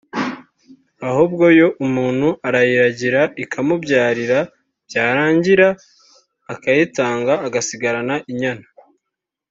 ahubwo yo umuntu arayiragira ikamubyarira; byarangira akayitanga agasigarana inyana